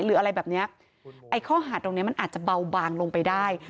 หรืออะไรแบบเนี้ยไอ้ข้อหาดตรงเนี้ยมันอาจจะเบาบางลงไปได้